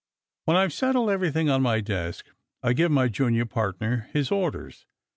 When I've settled everything at my desk, I give my junior partner his orders.